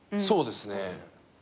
そうですね。